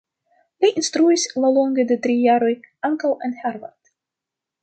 Li instruis, laŭlonge de tri jaroj, ankaŭ en Harvard.